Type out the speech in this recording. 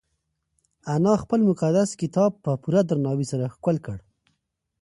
انا خپل مقدس کتاب په پوره درناوي سره ښکل کړ.